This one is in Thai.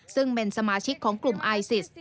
ซึ่งเป็นสมาชิกของกลุ่มไอซิส